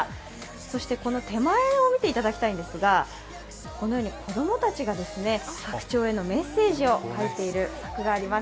そしてこの手前を見ていただきたいんですが、このように子供たちが白鳥へのメッセージを書いている柵があります。